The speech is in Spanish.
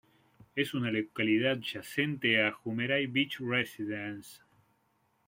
Es una localidad adyacente a Jumeirah Beach Residence.